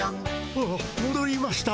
あっもどりました。